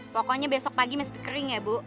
pokoknya besok pagi mesti kering ya bu